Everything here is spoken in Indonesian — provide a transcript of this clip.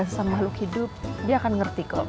sesama mahluk hidup dia akan ngerti bu